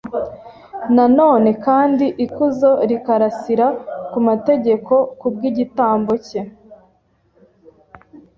na none kandi ikuzo rikarasira ku mategeko kubw’igitambo cye.